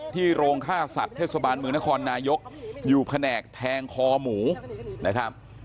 ที่โรงฆาตศัตริย์เทศบันมือนครนายกอยู่แผนกแทงคอหมูนะครับ